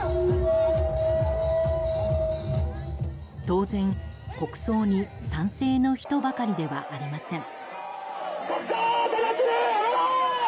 当然、国葬に賛成の人ばかりではありません。